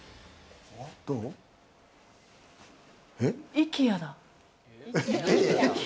ＩＫＥＡだ。